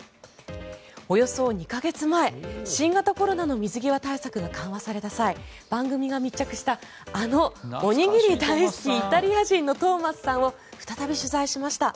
およそ２か月前新型コロナの水際対策が緩和された際番組が密着したあのおにぎり大好きイタリア人のトーマスさんを再び取材しました。